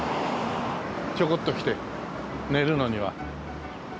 ちょこっと来て寝るのには。